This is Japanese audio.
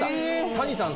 谷さん